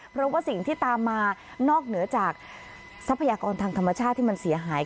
เพราะว่าสิ่งที่ตามมานอกเหนือจากทรัพยากรทางธรรมชาติที่มันเสียหาย